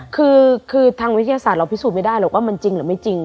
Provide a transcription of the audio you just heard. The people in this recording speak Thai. คือทางวิทยาศาสตร์เราพิสูจน์ไม่ได้หรอกว่ามันจริงหรือไม่จริง